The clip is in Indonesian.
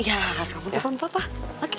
iya kamu telepon papa oke